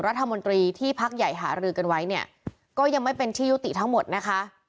รัฐมนตรีที่พักใหญ่หารือกันไว้เนี่ยก็ยังไม่เป็นที่ยุติทั้งหมดนะคะ